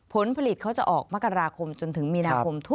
ผลผลิตเขาจะออกมกราคมจนถึงมีนาคม